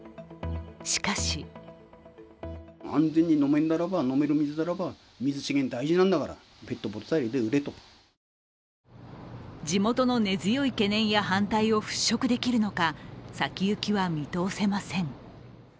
しかし地元の根強い懸念や反対を払拭できるのか、先行きは見通せません。